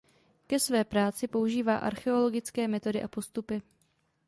Ke své práci používá archeologické metody a postupy.